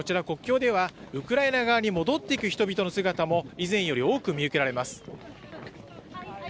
国境では、ウクライナ側に戻っていく人々の姿も以前よりも多く見受けられます。